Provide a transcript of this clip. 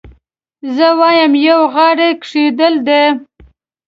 زه وایم یو غاړه کېښودل دي.